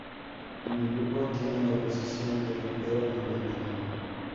En el grupo tiene la posición de rapero y bailarín.